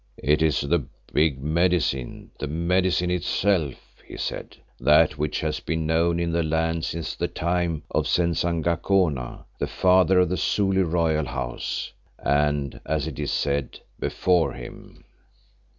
"It is the big Medicine, the Medicine itself," he said, "that which has been known in the land since the time of Senzangacona, the father of the Zulu Royal House, and as it is said, before him."